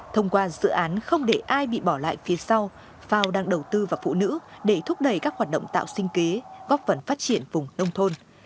thông qua dự án không để ai bị bỏ lại phía sau fao đang đầu tư vào phụ nữ để thúc đẩy các hoạt động tạo sinh kế góp phần phát triển vùng nông thôn